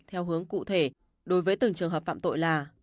theo hướng cụ thể đối với từng trường hợp phạm tội là